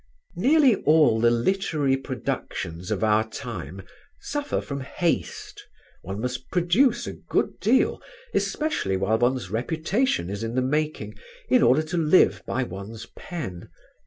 Nearly all the literary productions of our time suffer from haste: one must produce a good deal, especially while one's reputation is in the making, in order to live by one's pen.